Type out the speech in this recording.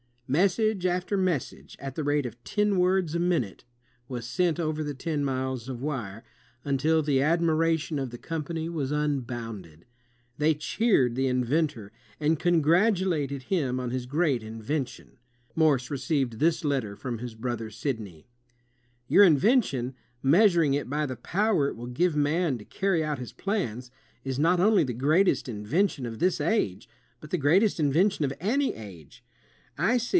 Message after message, at the rate of ten words a minute, was sent over the ten miles of wire, until the admiration of the company was unbounded. They cheered the in ventor and congratulated him on his great invention. Morse received this letter from his brother Sidney: "Your invention, measuring it by the power it will give man to carry out his plans, is not only the greatest invention of this age, but the greatest invention of any age. I see